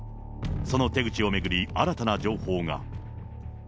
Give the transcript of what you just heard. その手口を巡り、新たな情報が。